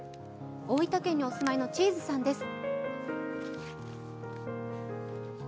大分県にお住まいのチーズさんです。